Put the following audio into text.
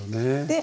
で